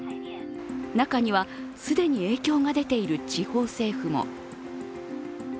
中には既に影響が出ている地方政府も。